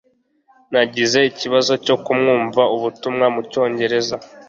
nagize ikibazo cyo kumwumva ubutumwa mucyongereza